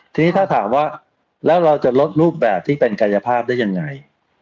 ทีนี้ถ้าถามว่าแล้วเราจะลดรูปแบบที่เป็นกายภาพได้ยังไง